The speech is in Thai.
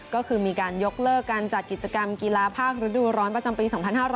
ก็คือมีการยกเลิกการจัดกิจกรรมกีฬาภาคฤดูร้อนประจำปี๒๕๕๙